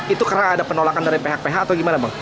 itu karena ada penolakan dari pihak pihak atau gimana bang